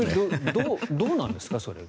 どうなんですか、それは。